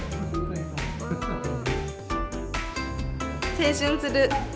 「青春する」。